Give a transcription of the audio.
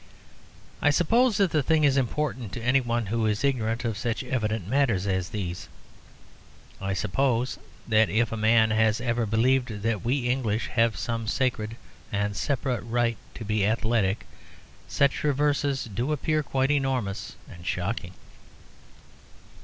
I suppose that the thing is important to any one who is ignorant of such evident matters as these. I suppose that if a man has ever believed that we English have some sacred and separate right to be athletic, such reverses do appear quite enormous and shocking.